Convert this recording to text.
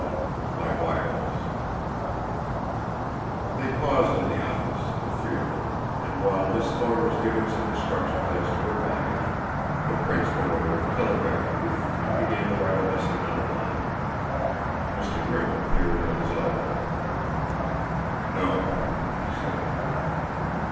XIX BY WIRELESS They paused in the office, the three of them, and while Miss Thorne was giving some instructions as to her baggage the prince went over to the telegraph booth and began to write a message on a blank. Mr. Grimm appeared at his elbow. "No," he said.